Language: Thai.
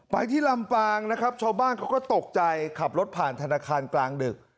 ที่ลำปางนะครับชาวบ้านเขาก็ตกใจขับรถผ่านธนาคารกลางดึก